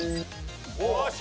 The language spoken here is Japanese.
よし！